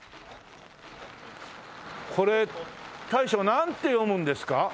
これ大将なんて読むんですか？